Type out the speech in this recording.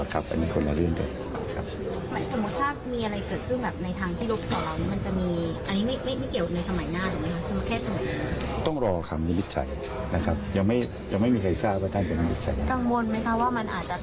กังวลไหมคะว่ามันอาจจะค้นรบกับการเข้ามาทำหน้าที่ทำงานในรัฐบาลใหม่